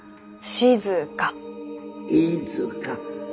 静！